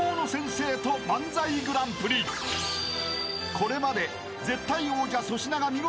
［これまで］